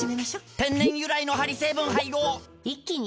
天然由来のハリ成分配合一気に！